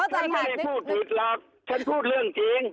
ฉันไม่พูดถึงหรอกฉันพูดเรื่องจริง